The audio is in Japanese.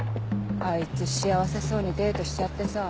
あいつ幸せそうにデートしちゃってさ。